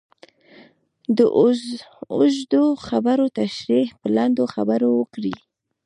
د اوږدو خبرو تشرېح په لنډو خبرو وکړئ.